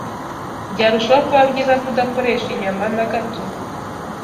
Byarushaho kuba byiza kudakoresha inyama na gato